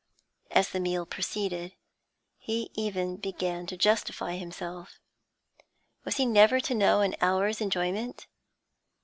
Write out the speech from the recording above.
As the meal proceeded he even began to justify himself. Was he never to know an hour's enjoyment?